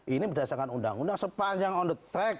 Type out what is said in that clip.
ini berdasarkan undang undang sepanjang on the track